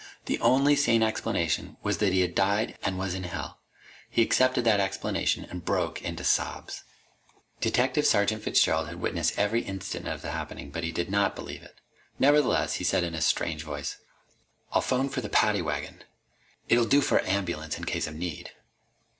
The only sane explanation was that he had died and was in hell. He accepted that explanation and broke into sobs. Detective Sergeant Fitzgerald had witnessed every instant of the happening, but he did not believe it. Nevertheless, he said in a strange voice: "I'll phone for the paddy wagon. It'll do for a ambulance, in case of need."